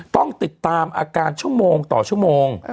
ต้องติดตามอาการชั่วโมงต่อชั่วโมง